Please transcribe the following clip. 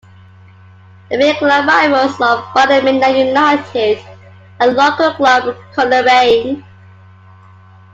The main club rivals of Ballymena United are local club Coleraine.